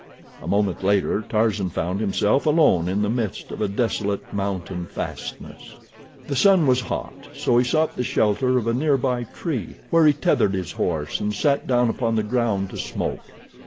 A moment later Tarzan found himself alone in the midst of a desolate mountain fastness. The sun was hot, so he sought the shelter of a nearby tree, where he tethered his horse, and sat down upon the ground to smoke.